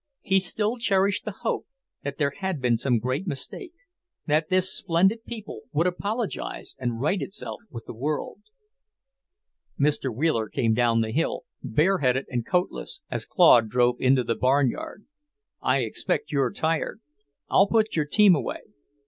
He still cherished the hope that there had been some great mistake; that this splendid people would apologize and right itself with the world. Mr. Wheeler came down the hill, bareheaded and coatless, as Claude drove into the barnyard. "I expect you're tired. I'll put your team away.